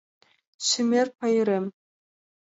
ШЕМЕР ПАЙРЕМ